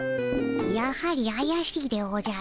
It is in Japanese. やはりあやしいでおじゃる。